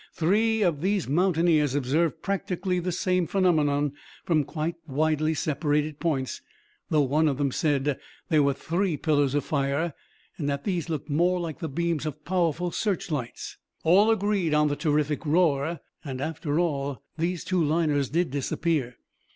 Three of these mountaineers observed practically the same phenomenon from quite widely separated points, though one of them said there were three pillars of fire and that these looked more like the beams of powerful search lights. All agreed on the terrific roar. And, after all, these two liners did disappear.